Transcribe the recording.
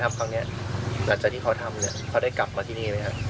หลังจากที่เขาทำเขาได้กลับมาที่นี่ไหมครับ